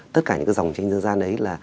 tất cả những cái dòng tranh dân gian đấy là